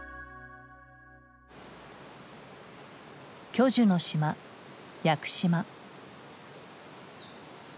巨樹の島屋久島。